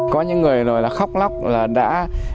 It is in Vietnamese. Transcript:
có những người khóc lóc là đều